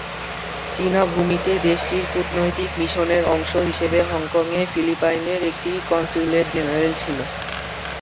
চীনা ভূমিতে দেশটির কূটনৈতিক মিশনের অংশ হিসেবে হংকংয়ে ফিলিপাইনের একটি কনস্যুলেট জেনারেল ছিল।